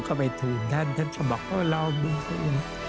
ผมก็ไปถึงท่านเขาก็บอกเล่นดูดู